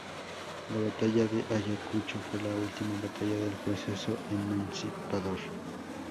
La Batalla de Ayacucho fue la última batalla del proceso emancipador.